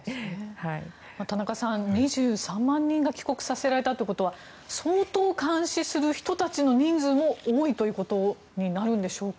田中さん、２３万人が帰国させられたということは相当監視する人たちの人数も多いということになるんでしょうか。